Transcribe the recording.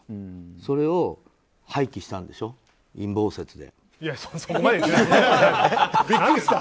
それを廃棄したんでしょ陰謀説で。